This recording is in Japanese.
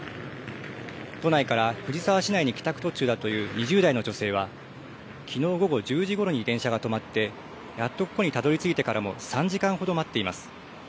都内から藤沢市内に帰宅途中だという２０代の女性は、きのう午後１０時ごろに電車が止まって、やっとここにたどりついてからも３時間ほど待っています。